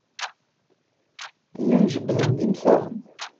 Llan jebbden-d imsaɣen.